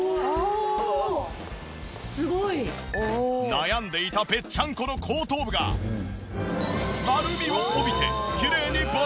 悩んでいたぺっちゃんこの後頭部が丸みを帯びてきれいにボリュームアップ！